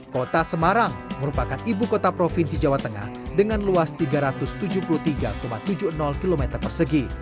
kota semarang merupakan ibu kota provinsi jawa tengah dengan luas tiga ratus tujuh puluh tiga tujuh puluh km persegi